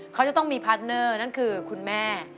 เขาจะต้องมีพาร์ทเนอร์นั่นคือคุณแม่